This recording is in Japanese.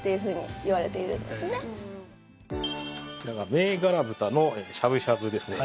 銘柄豚のしゃぶしゃぶですね。